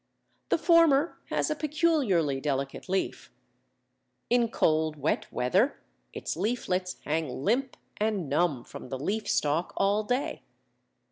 The former has a peculiarly delicate leaf. In cold, wet weather its leaflets hang limp and numb from the leaf stalk all day.